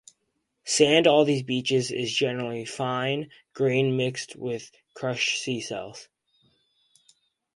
Sand all these beaches is generally fine grain mixed with crushed sea shells.